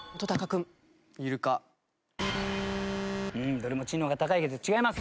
どれも知能が高いけど違います。